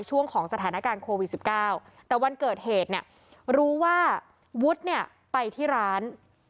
ช่วงของสถานการณ์โควิด๑๙แต่วันเกิดเหตุเนี่ยรู้ว่าวุฒิเนี่ยไปที่ร้าน